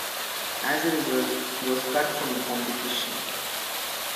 As a result he was cut from the competition.